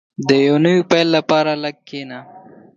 • د یو نوي پیل لپاره لږ کښېنه.